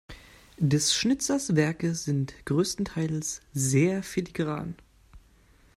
Des Schnitzers Werke sind größtenteils sehr filigran.